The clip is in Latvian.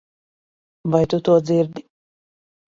Vai tu to dzirdi?